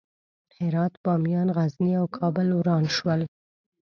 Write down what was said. هرات، بامیان، غزني او کابل وران شول.